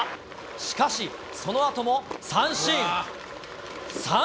しかし、そのあとも三振。